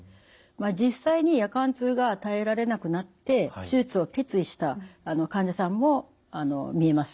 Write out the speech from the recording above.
実際に夜間痛が耐えられなくなって手術を決意した患者さんもみえます。